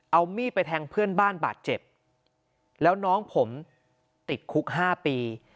เอามีดไปแทงเพื่อนบ้านบาดเจ็บแล้วน้องผมติดคุก๕ปี